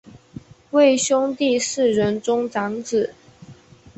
为兄弟四人中长子。